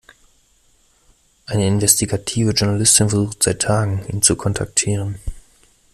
Eine investigative Journalistin versucht seit Tagen, ihn zu kontaktieren.